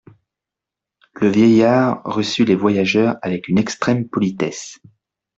Le vieillard reçut les voyageurs avec une extrême politesse.